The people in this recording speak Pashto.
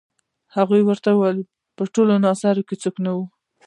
هغې ورته وویل په ټول ناصرو کې څوک نه وو.